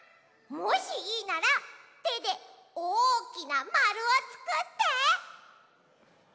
もしいいならてでおおきなまるをつくって。